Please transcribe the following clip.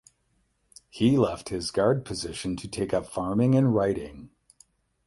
He left his guard position to take up farming and writing.